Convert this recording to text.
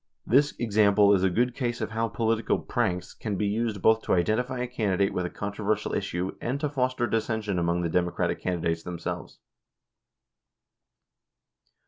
13 This example is a good case of how political "pranks" can be used both to identify a candidate with a controversial issue and to foster dissension among the Democratic candidates themselves.